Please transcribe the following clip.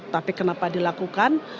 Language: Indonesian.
tapi kenapa dilakukan